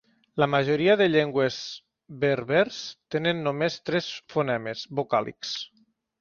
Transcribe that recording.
La majoria de llengües berbers tenen només tres fonemes vocàlics.